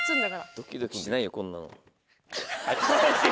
ドキドキしないよこんなの。